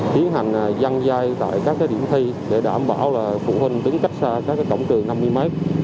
tiến hành dăng dai tại các điểm thi để đảm bảo phụ huynh đứng cách xa các cổng trường năm mươi mét